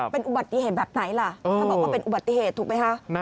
เป็นอุบัติเหตุแบบไหนล่ะถ้าบอกว่าเป็นอุบัติเหตุถูกไหมคะ